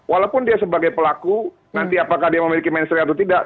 walaupun dia sebagai pelaku nanti apakah dia memiliki mainstream atau tidak